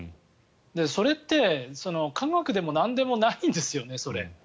それって、科学でもなんでもないんですよね。